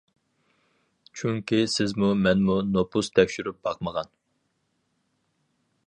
چۈنكى سىزمۇ مەنمۇ نوپۇس تەكشۈرۈپ باقمىغان.